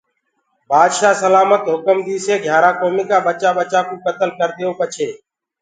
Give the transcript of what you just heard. بآدشآه سلآمت هُڪم ديسي گھِيآرآ ڪوميٚ ڪآ ٻچآ ٻچآ ڪو ڪتل ڪرديئو پڇي